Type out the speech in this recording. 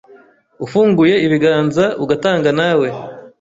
ufunguye ibiganza ugatanga nawe